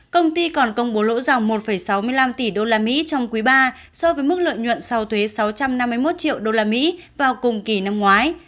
công ty còn công bố lỗ dòng một sáu mươi năm tỷ usd trong quý ba so với mức lợi nhuận sau thuế sáu trăm năm mươi một triệu usd vào cùng kỳ năm ngoái